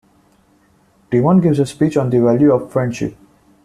Timon gives a speech on the value of friendship.